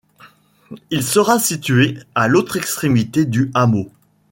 Il sera situé à l'autre extrémité du hameau.